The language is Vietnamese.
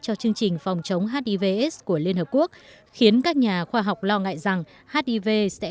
cho chương trình phòng chống hivs của liên hợp quốc khiến các nhà khoa học lo ngại rằng hiv sẽ